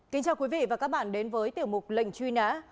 kính chào quý vị và các bạn đến với tiểu mục lệnh truy nã